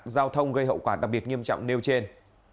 giao thông gây hậu quả đặc biệt nghiêm trọng nêu trên